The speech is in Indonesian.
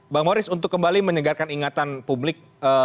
bang moris untuk kembali menyegarkan ingatan publik